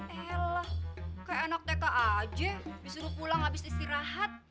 elah kayak enak tk aja abis uruh pulang abis istirahat